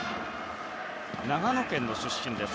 長野県の出身です。